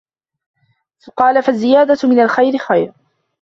قَالَ فَالزِّيَادَةُ مِنْ الْخَيْرِ خَيْرٌ